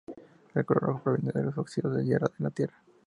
El color rojo proviene los óxidos de hierro en la tierra.